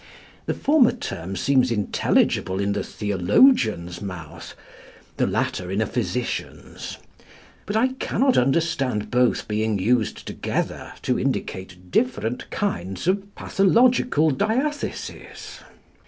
The former term seems intelligible in the theologian's mouth, the latter in a physician's. But I cannot understand both being used together to indicate different kinds of pathological diathesis.